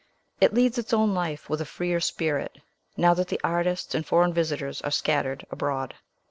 It leads its own life with a freer spirit, now that the artists and foreign visitors are scattered abroad.